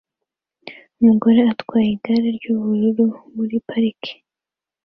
Umugore atwaye igare ry'ubururu muri parike